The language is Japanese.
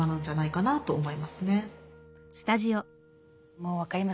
もう分かります。